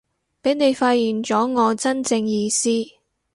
畀你發現咗我真正意思